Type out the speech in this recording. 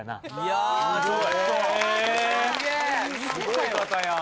・すごい方やん